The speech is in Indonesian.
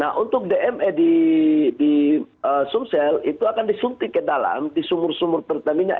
nah untuk dme di sumsel itu akan disuntik ke dalam di sumur sumur pertamina